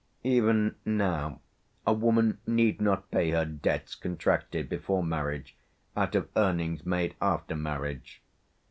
Even now a woman need not pay her debts contracted before marriage out of earnings made after marriage.